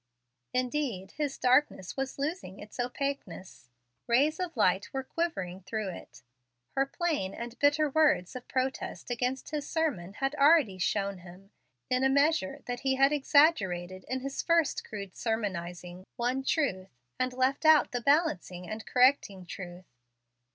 Indeed his darkness was losing its opaqueness. Rays of light were quivering through it. Her plain and bitter words of protest against his sermon had already shown him, in a measure, that he had exaggerated, in his first crude sermonizing, one truth, and left out the balancing and correcting truth.